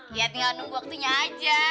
ya tinggal nunggu waktunya aja